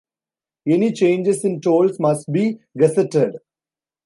Any changes in tolls must be gazetted.